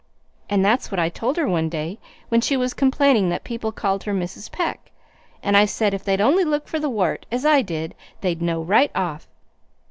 And that's what I told her one day when she was complaining that people called her Mrs. Peck, and I said if they'd only look for the wart as I did, they'd know right off.